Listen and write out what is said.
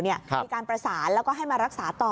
มีการประสานแล้วก็ให้มารักษาต่อ